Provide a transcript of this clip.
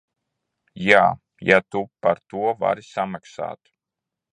Jā, ja tu par to vari samaksāt.